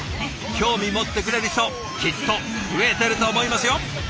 興味持ってくれる人きっと増えてると思いますよ。